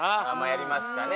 やりましたね